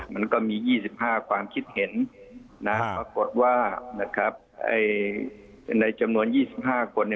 มันก็มี๒๕ความคิดเห็นนะปรากฏว่านะครับในจำนวน๒๕คน